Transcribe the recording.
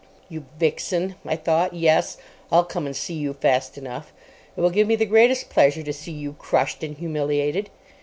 _ "You vixen," I thought. "Yes; I'll come and see you fast enough. It will give me the greatest pleasure to see you crushed and humiliated."